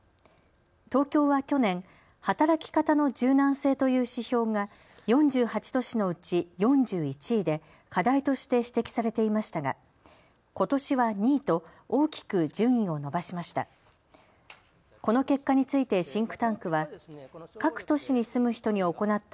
東京は去年、働き方の柔軟性という指標が４８都市のうち４１位で課題として指摘されていましたがことしは２位と大きく順位を伸ばしました。